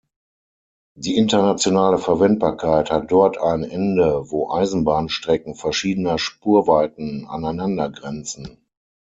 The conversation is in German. Die internationale Verwendbarkeit hat dort ein Ende, wo Eisenbahnstrecken verschiedener Spurweiten aneinandergrenzen.